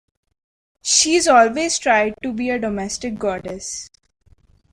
She's always tried to be a domestic goddess.